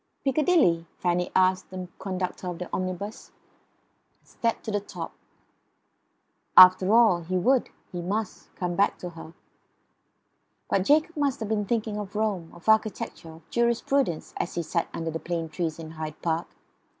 "Piccadilly?" Fanny asked the conductor of the omnibus, and climbed to the top. After all, he would, he must, come back to her. But Jacob might have been thinking of Rome; of architecture; of jurisprudence; as he sat under the plane tree in Hyde Park.